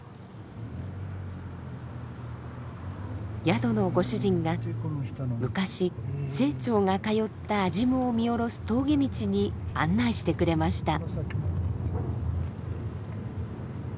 宿のご主人が昔清張が通った安心院を見下ろす峠道に案内してくれました。